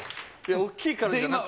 大きいからじゃなくて。